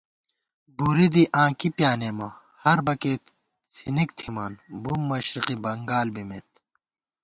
بُرِدی آں کی پیانېمہ ہر بَکے څِھنِک تھِمان بُم مشرقی بنگال بِمېت